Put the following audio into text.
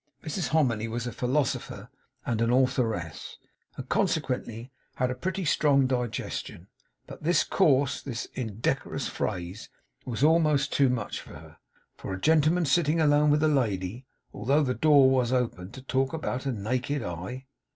Mrs Hominy was a philosopher and an authoress, and consequently had a pretty strong digestion; but this coarse, this indecorous phrase, was almost too much for her. For a gentleman sitting alone with a lady although the door WAS open to talk about a naked eye!